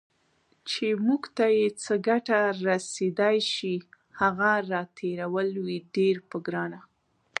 چې موږ ته یې څه ګټه رسېدای شي، هغه راتېرول وي ډیر په ګرانه